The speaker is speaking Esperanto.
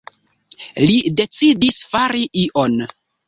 Li decidis „fari ion“.